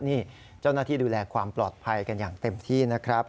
นี่เจ้าหน้าที่ดูแลความปลอดภัยกันอย่างเต็มที่นะครับ